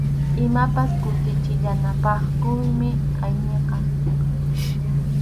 Imapas kutichinallapaq quymi ayniqa.